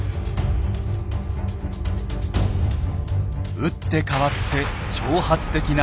打って変わって挑発的な態度。